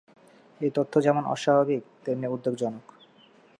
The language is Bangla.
এ তথ্য যেমন অস্বাভাবিক তেমনি উদ্বেগজনক।